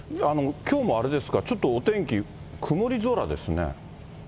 きょうもあれですか、ちょっとお天気曇り空ですね。